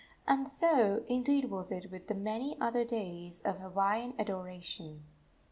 And so, indeed, was it with the many other deities of Hawaiian adoration.